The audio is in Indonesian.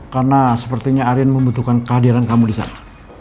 karena sepertinya arin membutuhkan kehadiran kamu disana